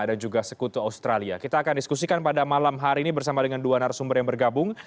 dan juga sekutu australia kita akan diskusikan pada malam hari ini bersama dengan dua narasumber yang bergabung